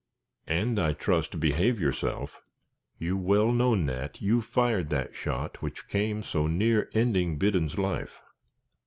"And, I trust, behave yourself. You well know, Nat, you fired that shot which came so near ending Biddon's life."